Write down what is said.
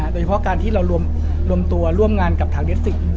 โดยเฉพาะการที่เรารวมตัวร่วมงานกับทางเอฟซิก